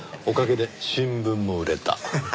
おかげで新聞も売れた。